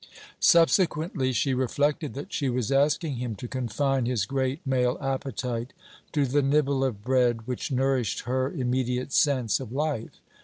Subsequently she reflected that she was asking him to confine his great male appetite to the nibble of bread which nourished her immediate sense of life.